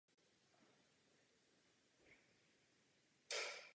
Postupně se využívání tohoto plynu rozšířilo po celém světě.